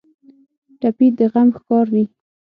ټپي د غم ښکار وي.